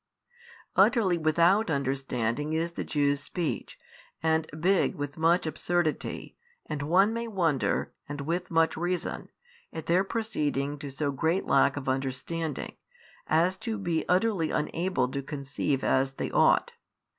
Utterly without understanding is the Jews' speech, and big with much absurdity, and one may wonder (and with much reason) at their proceeding to so great lack of understanding, as to be utterly unable to conceive as they ought.